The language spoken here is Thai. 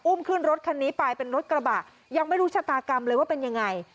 ขึ้นรถคันนี้ไปเป็นรถกระบะยังไม่รู้ชะตากรรมเลยว่าเป็นยังไง